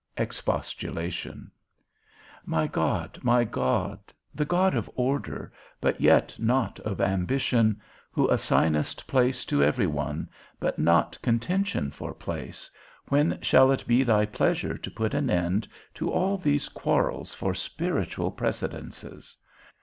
XX. EXPOSTULATION. My God, my God, the God of order, but yet not of ambition, who assignest place to every one, but not contention for place, when shall it be thy pleasure to put an end to all these quarrels for spiritual precedences?